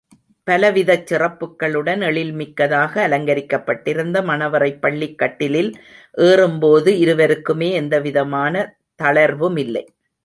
பலவிதச் சிறப்புக்களுடன் எழில்மிக்கதாக அலங்கரிக்கப்பட்டிருந்த மணவறைப் பள்ளிக்கட்டிலில் ஏறும்போது, இருவருக்குமே எந்தவிதமான தளர்வுமில்லை.